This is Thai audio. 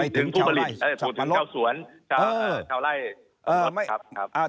ถึงผู้สวนชาวไล่อ้อตรอกครับ